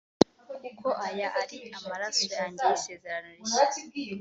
kuko aya ari amaraso yanjye y’isezerano rishya